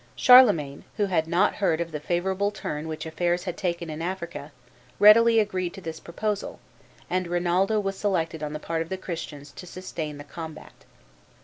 Charlemagne, who had not heard of the favorable turn which affairs had taken in Africa, readily agreed to this proposal, and Rinaldo was selected on the part of the Christians to sustain the combat.